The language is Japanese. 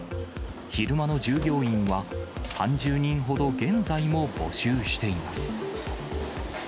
昼間の従業員は、３０人ほど現在も募集しています。